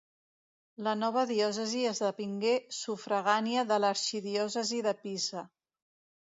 La nova diòcesi esdevingué sufragània de l'arxidiòcesi de Pisa.